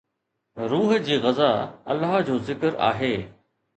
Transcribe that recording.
روح جي غذا الله جو ذڪر آهي